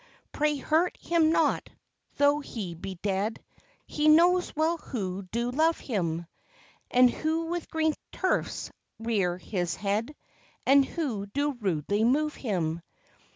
Pray hurt him not; though he be dead, He knows well who do love him; And who with green turfs rear his head, And who do rudely move him.